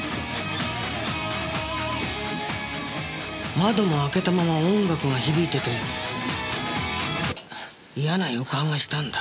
窓も開けたまま音楽が響いてて嫌な予感がしたんだ。